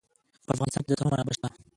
په افغانستان کې د تنوع منابع شته.